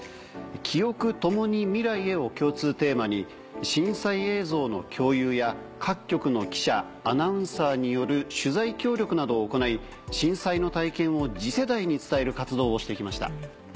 「キオク、ともに未来へ。」を共通テーマに震災映像の共有や各局の記者アナウンサーによる取材協力などを行い。をして来ました。